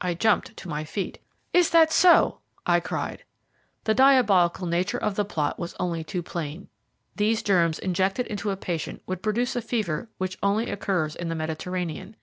I jumped to my feet. "Is that so?" I cried. The diabolical nature of the plot was only too plain. These germs injected into a patient would produce a fever which only occurs in the Mediterranean.